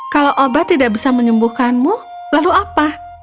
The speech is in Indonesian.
kalau obat tidak bisa menyembuhkanmu lalu apa